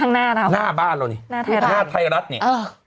หน้าแซนหน้าบ้านเราเนี่ยหน้าไทรัสเนี่ย